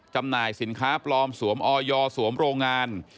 จำหน่ายสินค้าปลอมสวมออยสวมโรงงาน